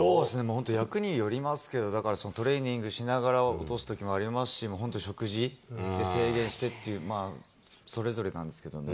本当、役によりますけど、だからトレーニングしながら落とすときもありますし、本当、食事で制限してっていう、それぞれなんですけれどもね。